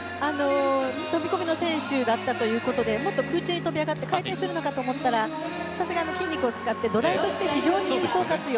飛込の選手だったということでもっと空中に浮かび上がって回転するのかと思ったら、さすが、筋肉を使って土台として非常に有効活用。